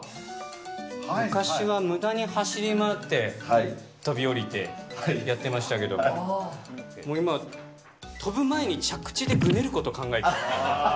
昔はむだに走り回って、飛び降りてやってましたけど、もう今、跳ぶ前に着地でグネることを考えちゃう。